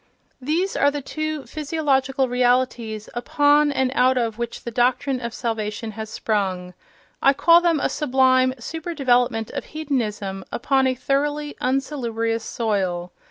These are the two physiological realities upon and out of which the doctrine of salvation has sprung. I call them a sublime super development of hedonism upon a thoroughly unsalubrious soil.